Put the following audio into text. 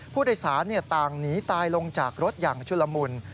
ผู้โดยสารต่างหนีตายลงจากรถอย่างชุลมุน